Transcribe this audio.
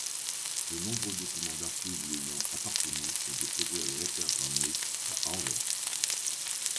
De nombreux documents d'archives lui ayant appartenu sont déposés à la Letterenhuis à Anvers.